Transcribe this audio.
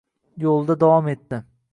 Yo‘lida davom etdi.